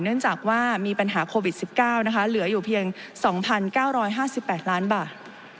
เนื่องจากว่ามีปัญหาโควิดสิบเก้านะคะเหลืออยู่เพียงสองพันเก้าร้อยห้าสิบแปดล้านบาท